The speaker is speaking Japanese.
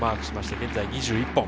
現在２１本。